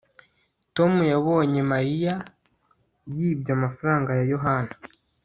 tom yabonye mariya yibye amafaranga ya yohana